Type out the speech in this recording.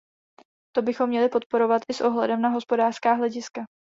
To bychom měli podporovat i s ohledem na hospodářská hlediska.